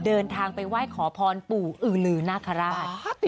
เดินทางไปไหว้ขอพรปู่อือลือนาคาราช